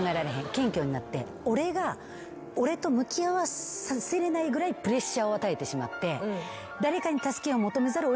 謙虚になって俺が俺と向き合わさせれないぐらいプレッシャーを与えてしまって。